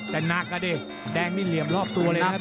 แต่หนักอ่ะดิแดงนี่เหลี่ยมรอบตัวเลยครับ